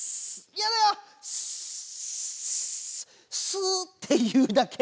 「すぅ」っていうだけ？